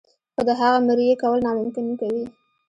خو د هغه مريي کول ناممکن کوي.